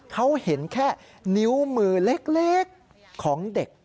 เขาเห็นแค่นิ้วมือเล็กของเด็ก